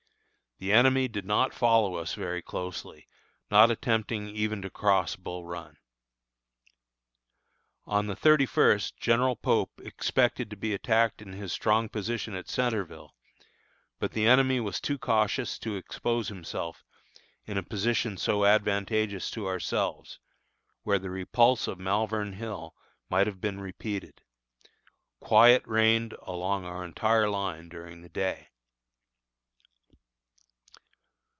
The enemy did not follow us very closely, not attempting even to cross Bull Run. On the thirty first General Pope expected to be attacked in his strong position at Centreville, but the enemy was too cautious to expose himself in a position so advantageous to ourselves, where the repulse of Malvern Hill might have been repeated. Quiet reigned along our entire line during the day.